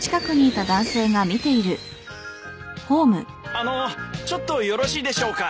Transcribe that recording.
・あのうちょっとよろしいでしょうか？